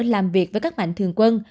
làm việc với các mạnh thường quân